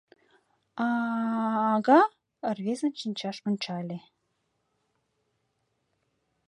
— А-ага... — рвезын шинчаш ончале.